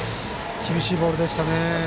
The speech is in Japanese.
厳しいボールでしたね。